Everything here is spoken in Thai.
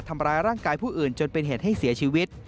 ทำร้ายร่างกายผู้อื่นจนเป็นเหตุให้เสียชีวิต